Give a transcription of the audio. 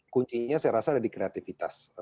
kuncinya saya rasa ada di kreativitas